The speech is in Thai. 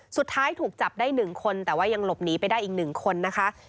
สุดท้ายถูกจับได้๑คนแต่ว่ายังหลบหนีไปได้อีก๑คนนะคะ